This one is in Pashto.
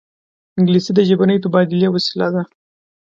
انګلیسي د ژبني تبادلې وسیله ده